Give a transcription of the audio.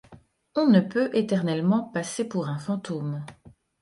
On ne peut éternellement passer pour un fantôme.